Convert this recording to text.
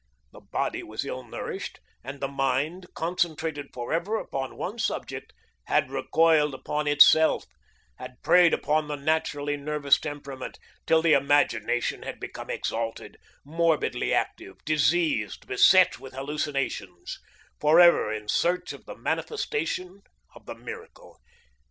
The body was ill nourished, and the mind, concentrated forever upon one subject, had recoiled upon itself, had preyed upon the naturally nervous temperament, till the imagination had become exalted, morbidly active, diseased, beset with hallucinations, forever in search of the manifestation, of the miracle.